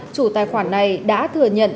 chủ tài khoản này đã thừa nhận